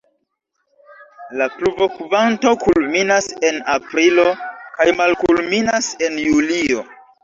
La pluvokvanto kulminas en aprilo kaj malkulminas en julio.